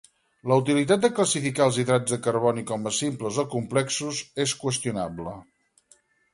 La utilitat de classificar els hidrats de carboni com a simples o complexos és qüestionable.